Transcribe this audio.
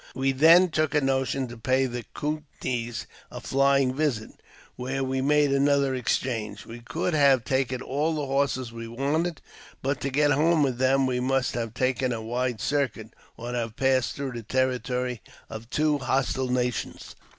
We then took a notion to pay the Coutnees a flying visit where we made another exchange. We could have taken all the horses we wanted, but, to get home with them, we must have taken a wide circuit, or have passed through the territory of two hostile nations.